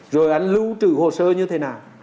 rồi anh lưu trừ hồ sơ như thế nào